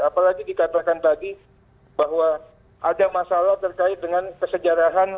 apalagi dikatakan tadi bahwa ada masalah terkait dengan kesejarahan